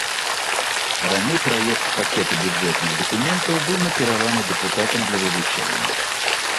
Раней праект пакета бюджэтных дакументаў быў накіраваны дэпутатам для вывучэння.